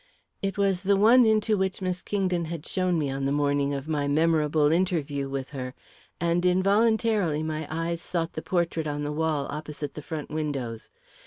It was the one into which Miss Kingdon had shown me on the morning of my memorable interview with her, and involuntarily my eyes sought the portrait on the wall opposite the front windows.